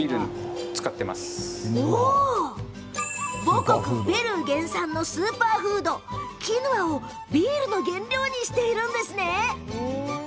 母国ペルー原産のスーパーフード・キヌアをビールの原料にしているんですね。